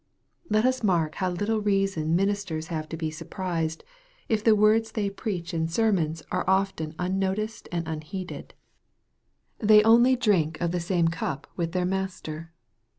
Let us mark how little reason ministers have to be BUI prised, if the words that they preach in sermons are MARK, CHAP. XIV. 315 often unnoticed and unheeded. They only drink of the Bame cup with their Master.